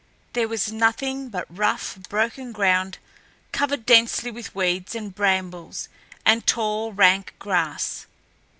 There was nothing but rough, broken ground covered densely with weeds and brambles, and tall, rank grass.